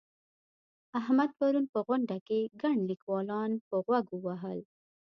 احمد پرون په غونډه کې ګڼ ليکوالان په غوږ ووهل.